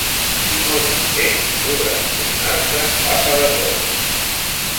Si molts en tens podràs tornar-te papa de Roma.